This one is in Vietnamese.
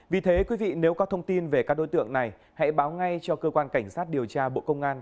vì thế quý vị nếu có thông tin về các đối tượng này hãy báo ngay cho cơ quan cảnh sát điều tra bộ công an